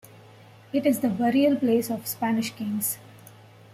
It is the burial-place of Spanish kings.